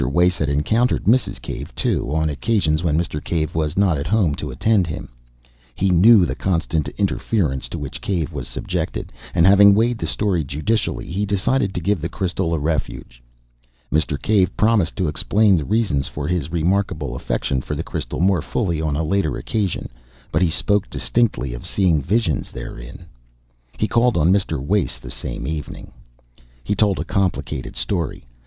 Wace had encountered Mrs. Cave, too, on occasions when Mr. Cave was not at home to attend to him. He knew the constant interference to which Cave was subjected, and having weighed the story judicially, he decided to give the crystal a refuge. Mr. Cave promised to explain the reasons for his remarkable affection for the crystal more fully on a later occasion, but he spoke distinctly of seeing visions therein. He called on Mr. Wace the same evening. He told a complicated story.